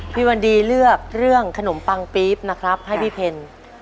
พี่วันดีเลือกเรื่องขนมปังปี๊บนะครับให้พี่เพล